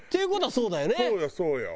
そうよそうよ。